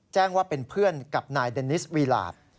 แจ้งว่าเป็นเพื่อนกับนายเดนิสวีหลาด